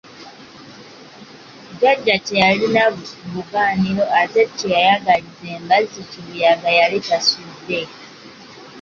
Jjajja teyalina bugaaniro ate kye yayagaliza embazzi kibuyaga yali tasudde?